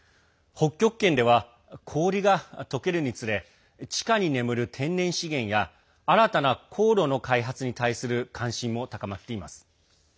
北極圏では氷がとけるにつれ地下に眠る天然資源や新たな航路の開発に対する関心も高まっています。